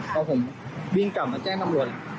พอผมวิ่งกลับมาแจ้งตำรวจ